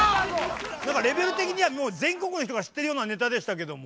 何かレベル的には全国の人が知ってるようなネタでしたけども。